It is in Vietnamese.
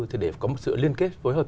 thì để có một sự liên kết phối hợp